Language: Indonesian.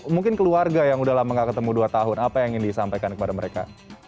mungkin keluarga yang udah lama gak ketemu dua tahun apa yang ingin disampaikan kepada mereka